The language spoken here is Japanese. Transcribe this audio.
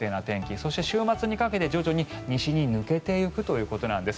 そして週末にかけて徐々に西に抜けていくということです。